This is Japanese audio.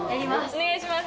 お願いします。